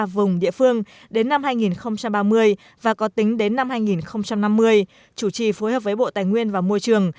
vùng địa phương đến năm hai nghìn ba mươi và có tính đến năm hai nghìn năm mươi chủ trì phối hợp với bộ tài nguyên và môi trường